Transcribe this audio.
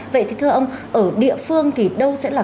vậy thì thưa ông ở địa phương thì đâu sẽ là